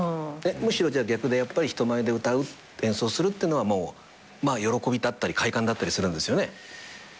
むしろじゃあ逆でやっぱり人前で歌う演奏するってのは喜びだったり快感だったりするんですよね？